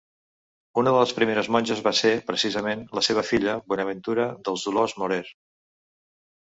Una de les primeres monges va ser, precisament, la seva filla Bonaventura dels Dolors Morer.